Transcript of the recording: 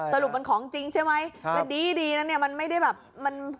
สรุปมันของจริงใช่ไหมแล้วดีดีนะเนี่ยมันไม่ได้แบบมัน